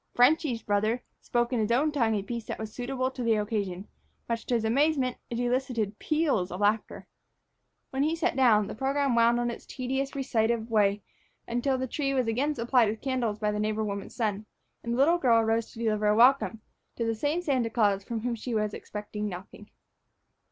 "Frenchy's" brother spoke in his own tongue a piece that was suitable to the occasion; much to his amazement, it elicited peals of laughter. When he sat down, the program wound on its tedious, recitative way until the tree was again supplied with candles by the neighbor woman's son, and the little girl arose to deliver a welcome to that same Santa Claus from whom she expected nothing.